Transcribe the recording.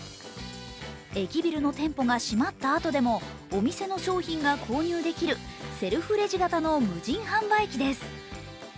駅ビルの店舗が閉まったあとでもお店の商品が購入できるセルフレジ型の無人販売機です。